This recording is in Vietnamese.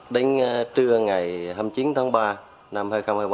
đánh trưa ngày hai mươi chín tháng ba năm hai nghìn hai mươi ba